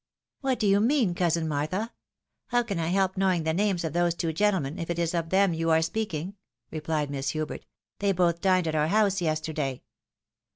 "What do you mean, cousin Martha? How can I help knowing the names of those two gentlemen, if it is of them you are speaking ?" rephed Miss Hubert. " They both dined at our house yesterday."